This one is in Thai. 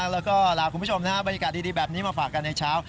แล้วก็ลาคุณผู้ชมบรรยากาศดีแบบนี้มาฝากกันในเช้า